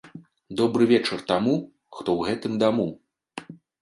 Добры вечар таму, хто ў гэтым даму!